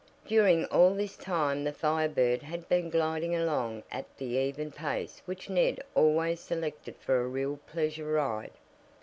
During all this time the Fire Bird had been gliding along at the even pace which Ned always selected for a real pleasure ride.